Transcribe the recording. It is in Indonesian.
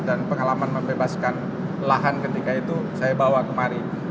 dan pengalaman membebaskan lahan ketika itu saya bawa kemari